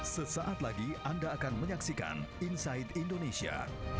sesaat lagi anda akan menyaksikan inside indonesia